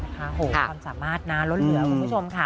ค่ะโหค่ะความสามารถน้ารถเหลือคุณผู้ชมค่ะ